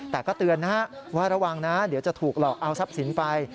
แต่ก็เตือนนะฮะว่าระวังนะเดี๋ยวจะถูกหลอกเอาทรัพย์สินไป